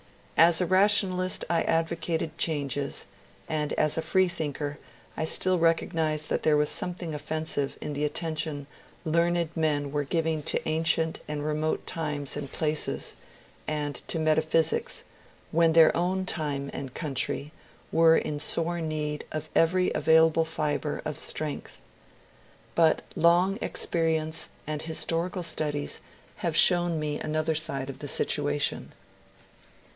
As a rationalist I advocated changes ; and as a freethinker I still recognize that there was something offen sive in the attention learned men were giving to ancient and remote times and places, and to metaphysics, when their own time and country were in sore need of every available fibre of strength. But long experience and historical studies have shown me another side of the situation.